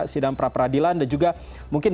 sidang pra peradilan dan juga mungkin